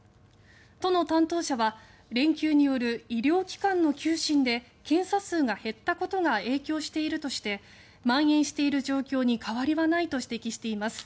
都の担当者は連休による医療機関の休診で検査数が減ったことが影響しているとしてまん延している状況に変わりはないと指摘しています。